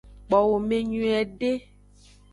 Kpowo me nyuiede.